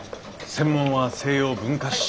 専門は西洋文化史。